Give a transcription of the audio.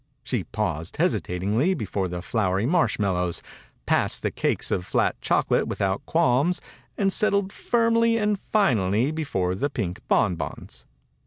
She paused hesitatingly before the floury marshmallows, passed the cakes of flat chocolate without qualms, and settled firmly and finally before the pink bonbons.